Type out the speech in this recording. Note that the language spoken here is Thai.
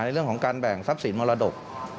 เรื่องของการแบ่งทรัพย์สินมรดก